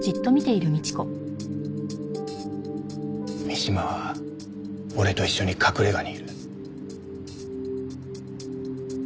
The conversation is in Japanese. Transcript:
三島は俺と一緒に隠れ家にいる。